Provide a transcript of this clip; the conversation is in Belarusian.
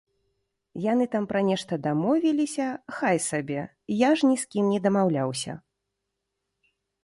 Яны там пра нешта дамовіліся, хай сабе, я ж ні з кім не дамаўляўся.